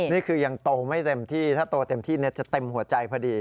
นี่คือยังโตไม่เต็มที่ถ้าโตเต็มที่จะเต็มหัวใจพอดี